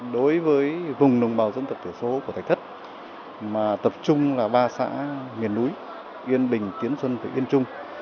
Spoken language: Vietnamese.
đối với vùng nồng bào dân tật tử số của thạch thất mà tập trung là ba xã miền núi yên bình tiến xuân yên chung